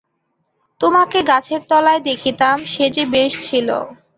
তোমাকে গাছের তলায় দেখিতাম, সে যে বেশ ছিল।